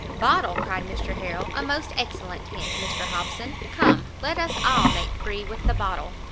"Bottle!" cried Mr Harrel, "a most excellent hint, Mr Hobson! come! let us all make free with the bottle!"